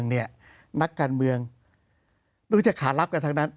องค์กรกรปศ